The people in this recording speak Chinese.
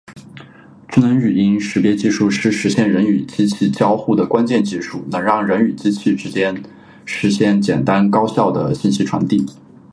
智能语音识别技术是实现人机交互的关键技术，能让人与机器之间实现简单高效的信息传递。